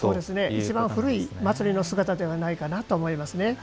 いちばん古い祭りの姿ではないかなと思いますね。